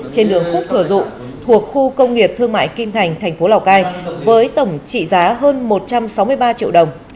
trên đường khúc thừa dụ thuộc khu công nghiệp thương mại kim thành tp lào cai với tổng trị giá hơn một trăm sáu mươi ba triệu đồng